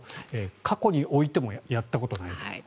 過去においてもやったことがないという。